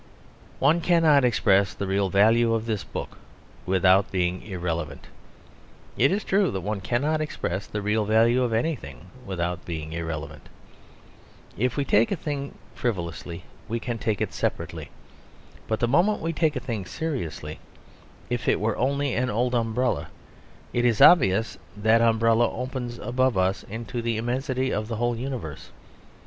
One cannot express the real value of this book without being irrelevant. It is true that one cannot express the real value of anything without being irrelevant. If we take a thing frivolously we can take it separately, but the moment we take a thing seriously, if it were only an old umbrella, it is obvious that that umbrella opens above us into the immensity of the whole universe.